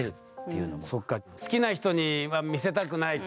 好きな人には見せたくないと。